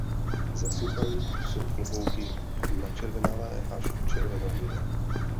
Za sucha jsou klobouky načervenalé až červenohnědé.